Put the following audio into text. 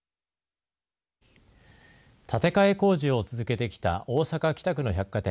建て替え工事を続けてきた大阪、北区の百貨店